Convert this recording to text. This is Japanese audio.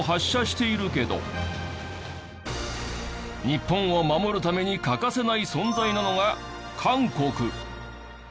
日本を守るために欠かせない存在なのが韓国。